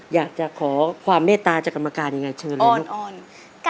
อยากจะขอความเมตตาจากกรรมการนะเชิญเลยลูก